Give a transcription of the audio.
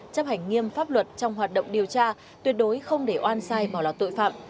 chấp hành nghiêm pháp luật trong hoạt động điều tra tuyệt đối không để oan sai bỏ lọt tội phạm